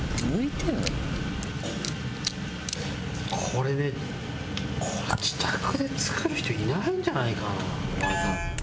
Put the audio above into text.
これねこれ自宅で作る人いないんじゃないかな。